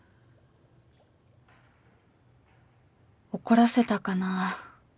怒らせたかな